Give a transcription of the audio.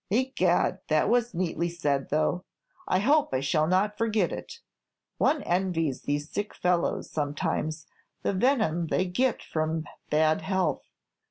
"Egad! that was neatly said, though; I hope I shall not forget it. One envies these sick fellows, sometimes, the venom they get from bad health.